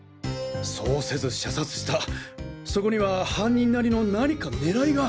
そうせず射殺したそこには犯人なりの何か狙いが！